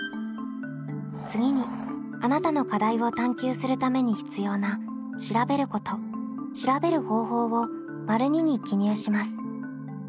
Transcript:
次にあなたの課題を探究するために必要な「調べること」「調べる方法」を②に記入します。